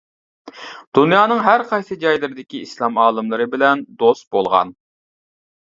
دۇنيانىڭ ھەرقايسى جايلىرىدىكى ئىسلام ئالىملىرى بىلەن دوست بولغان.